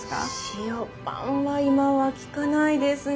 塩パンは今は聞かないですね。